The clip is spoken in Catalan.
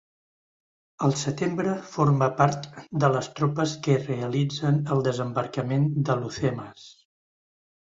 Al setembre forma part de les tropes que realitzen el desembarcament d'Alhucemas.